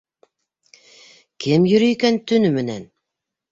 Кем йөрөй икән төнө менән?